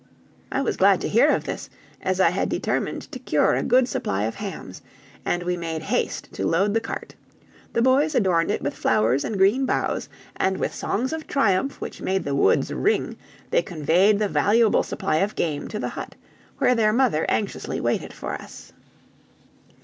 I was glad to hear this, as I had determined to cure a good supply of hams, and we made haste to load the cart; the boys adorned it with flowers and green boughs, and with songs of triumph which made the woods ring they conveyed the valuable supply of game to the hut, where their mother anxiously waited for us.